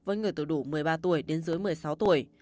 với người từ đủ một mươi ba tuổi đến dưới một mươi sáu tuổi